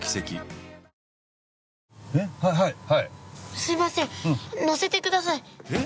すいません乗せてください。